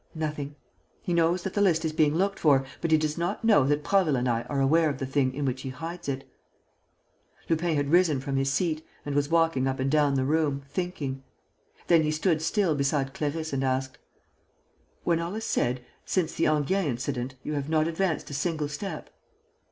"Nothing. He knows that the list is being looked for, but he does not know that Prasville and I are aware of the thing in which he hides it." Lupin had risen from his seat and was walking up and down the room, thinking. Then he stood still beside Clarisse and asked: "When all is said, since the Enghien incident, you have not advanced a single step?"